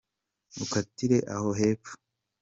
ukatire aho hepfo.